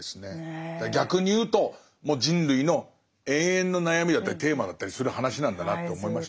逆に言うともう人類の永遠の悩みだったりテーマだったりする話なんだなと思いましたね。